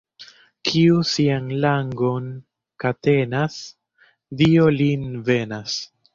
Kiu sian langon katenas, Dio lin benas.